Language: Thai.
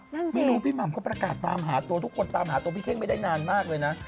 ไม่รู้พี่หม่ำก็ประกาศตามหาตัวทุกคนตามหาตัวพี่เท่งไม่ได้นานมากเลยนะ